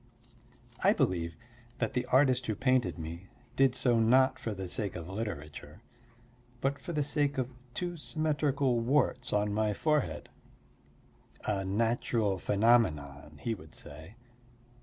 I believe that the artist who painted me did so not for the sake of literature, but for the sake of two symmetrical warts on my forehead, a natural phenomenon, he would say.